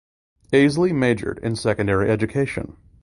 Easley majored in secondary education.